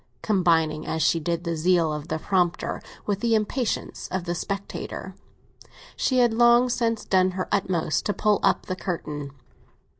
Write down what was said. Combining as she did the zeal of the prompter with the impatience of the spectator, she had long since done her utmost to pull up the curtain.